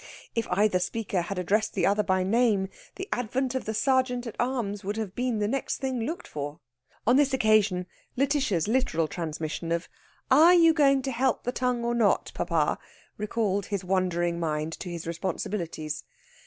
If either speaker had addressed the other by name, the advent of the Sergeant at Arms would have been the next thing looked for. On this occasion Lætitia's literal transmission of "Are you going to help the tongue or not, papa?" recalled his wandering mind to his responsibilities.